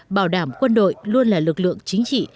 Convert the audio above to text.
bảo đảm quân đội luôn là lực lượng chính trị